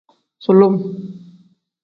Sulum.